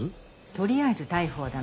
とりあえず逮捕は駄目。